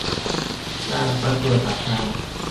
การประกวดราคา